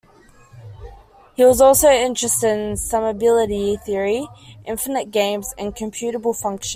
He was also interested in summability theory, infinite games and computable functions.